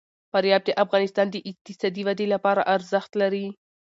فاریاب د افغانستان د اقتصادي ودې لپاره ارزښت لري.